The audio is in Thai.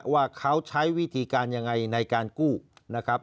ว่าเขาใช้วิธีการยังไงในการกู้นะครับ